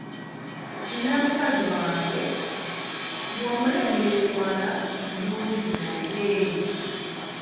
Nnina mukazi wange, bw’omulengerera ewala mulungi naye!